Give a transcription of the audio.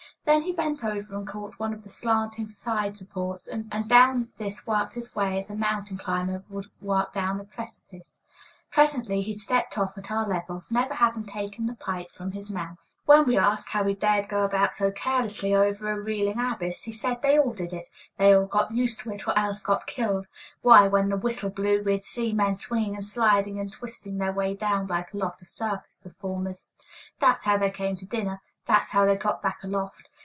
Then he bent over and caught one of the slanting side supports, and down this worked his way as a mountain climber would work down a precipice. Presently he stepped off at our level, never having taken the pipe from his mouth. [Illustration: WARMING THEIR LUNCHES AT THE BOILER FIRE.] [Illustration: A STRANGE WAY TO GO TO MEALS.] When we asked how he dared go about so carelessly over a reeling abyss, he said they all did it; they all got used to it, or else got killed. Why, when the whistle blew we'd see men swinging and sliding and twisting their way down like a lot of circus performers. That's how they came to dinner; that's how they got back aloft.